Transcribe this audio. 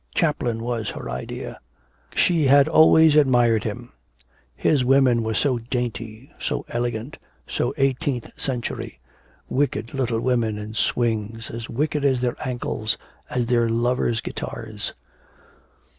Chaplin was her idea. She had always admired him. His women were so dainty, so elegant, so eighteenth century wicked little women in swings, as wicked as their ankles, as their lovers' guitars.